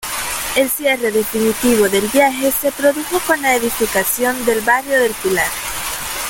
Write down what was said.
El cierre definitivo del viaje se produjo con la edificación del Barrio del Pilar.